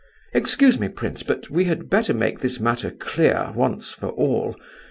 Excuse me, prince, but we had better make this matter clear, once for all.